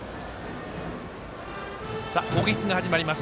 攻撃が始まります。